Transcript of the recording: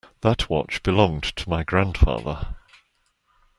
That watch belonged to my grandfather.